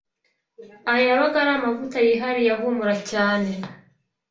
Ayo yabaga ari amavuta yihariye ahumura cyane